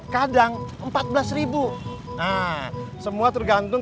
kadang empat belas nah semua tergantung